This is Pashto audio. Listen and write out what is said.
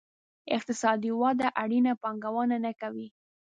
اقتصادي وده اړینه پانګونه نه کوي.